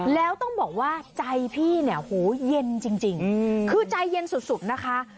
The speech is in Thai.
แล้วต้องบอกว่าใจพี่เนี่ยหูเย็นจริงคือใจเย็นสุดนะคะ